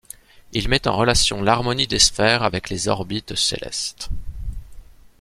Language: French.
Il met en relation l'harmonie des sphères avec les orbites célestes.